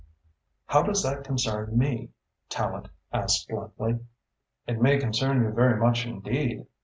"How does that concern me?" Tallente asked bluntly. "It may concern you very much indeed.